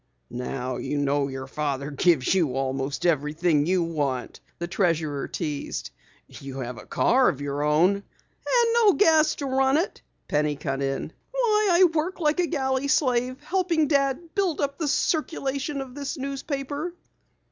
"Now you know your father gives you almost everything you want," the treasurer teased. "You have a car of your own " "And no gas to run it," Penny cut in. "Why, I work like a galley slave helping Dad build up the circulation of this newspaper!"